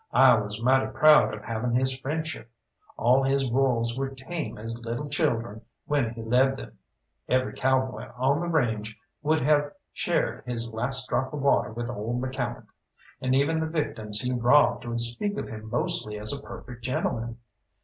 I was mighty proud of having his friendship. All his wolves were tame as little children when he led them; every cowboy on the range would have shared his last drop of water with old McCalmont, and even the victims he robbed would speak of him mostly as a perfect gentleman.